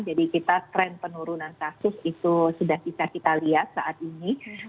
jadi kita tren penurunan kasus itu sudah bisa kita lihat saat ini